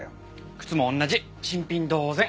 靴も同じ新品同然。